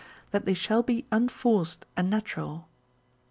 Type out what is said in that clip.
that they shall be un forced and natural.